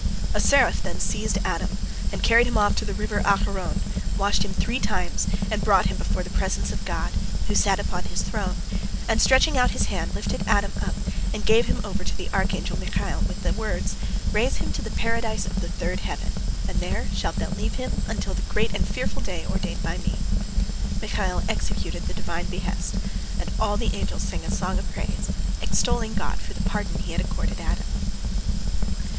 A seraph then seized Adam, and carried him off to the river Acheron, washed him three times, and brought him before the presence of God, who sat upon His throne, and, stretching out His hand, lifted Adam up and gave him over to the archangel Michael, with the words, "Raise him to the Paradise of the third heaven, and there thou shalt leave him until the great and fearful day ordained by Me." Michael executed the Divine behest, and all the angels sang a song of praise, extolling God for the pardon He had accorded Adam.